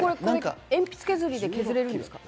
鉛筆削りで削れるんですか？